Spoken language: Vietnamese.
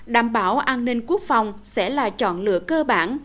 đảm bảo an ninh quốc phòng sẽ là chọn lựa cơ bản